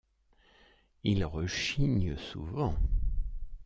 Ils rechignent souvent.